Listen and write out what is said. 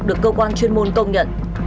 được cơ quan chuyên môn công nhận